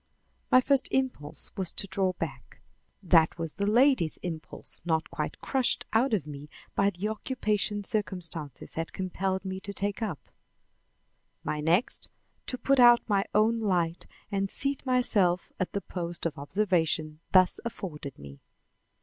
My first impulse was to draw back (that was the lady's impulse not quite crushed out of me by the occupation circumstances had compelled me to take up) my next, to put out my own light and seat myself at the post of observation thus afforded me.